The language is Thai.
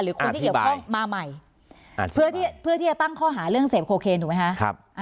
คนที่เกี่ยวข้องมาใหม่เพื่อที่จะตั้งข้อหาเรื่องเสพโคเคนถูกไหมคะ